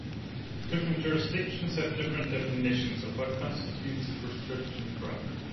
Different jurisdictions have different definitions of what constitutes a prescription drug.